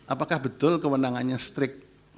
apakah betul kewenangannya strict